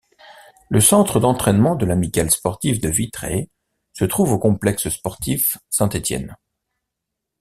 Le centre d'entraînement de l'Amicale sportive de Vitré se trouve au complexe sportif Saint-Étienne.